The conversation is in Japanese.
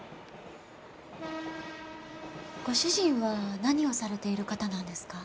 ご主人は何をされている方なんですか？